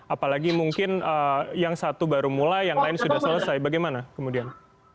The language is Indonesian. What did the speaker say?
apalagi mungkin yang satu baru mulai yang lain sudah selesai bagaimana kemudian